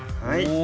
はい。